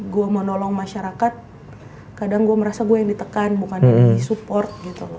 gue menolong masyarakat kadang gue merasa gue yang ditekan bukan yang disupport gitu loh